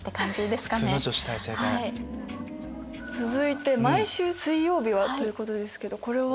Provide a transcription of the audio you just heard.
続いて「毎週水曜日は」ということですけどこれは？